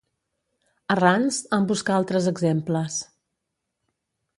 Arranz en busca altres exemples.